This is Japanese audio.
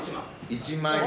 １万円。